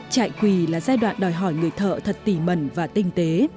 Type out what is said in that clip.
chạy quỳ là giai đoạn đòi hỏi người thợ thật tỉ mẩn và tinh tế